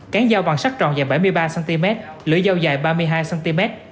cán giao bằng sắt tròn dài bảy mươi ba cm lưỡi dao dài ba mươi hai cm